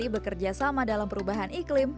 bekerja sama dalam perubahan iklim